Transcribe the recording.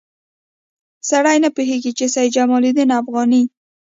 سړی نه پوهېږي چې سید جمال الدین افغاني.